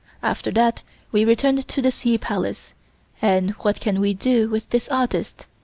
After that we return to the Sea Palace, and what can we do with this artist?